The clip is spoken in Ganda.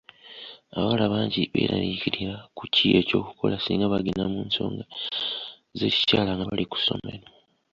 Abawala bangi beeraliikirira ku ki eky'okukola singa bagenda mu nsonga z'ekikyala nga bali ku ssomero.